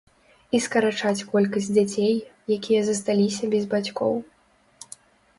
І скарачаць колькасць дзяцей, якія засталіся без бацькоў.